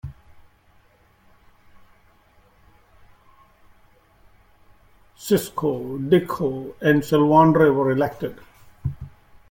Sissoko, Dicko and Silvandre were elected.